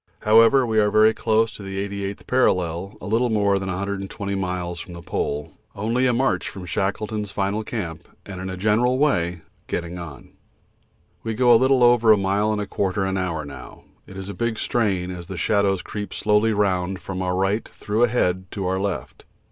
However, we are very close to the 88th parallel, little more than 120 miles from the Pole, only a march from Shackleton's final camp, and in a general way 'getting on.' We go little over a mile and a quarter an hour now it is a big strain as the shadows creep slowly round from our right through ahead to our left.